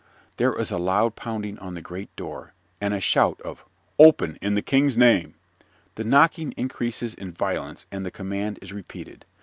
(_There is a loud pounding on the great door and a shout of "Open, in the King's name!" The knocking increases in violence and the command is repeated.